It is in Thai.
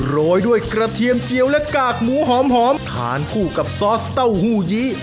โรยด้วยกระเทียมเจียวและกากหมูหอมทานคู่กับซอสเต้าหู้ยี